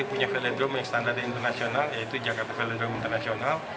punya velodrome yang standar internasional yaitu jakarta velodrome internasional